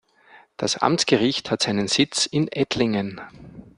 Das Amtsgericht hat seinen Sitz in Ettlingen.